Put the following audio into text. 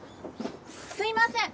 すいません！